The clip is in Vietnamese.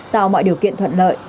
tạo mọi điều kiện thuận lợi